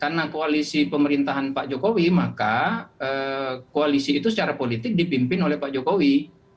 karena koalisi pemerintahan pak jokowi maka koalisi itu secara politik dipimpin oleh pak jokowi